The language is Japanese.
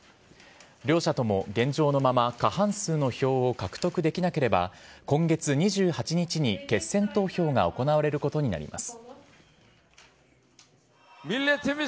両者とも現状のまま過半数の票を獲得できなければ、今月２８日に決選投票が行われることになります。